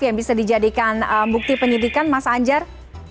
yang bisa dijadikan bukti penyidikan mas anjar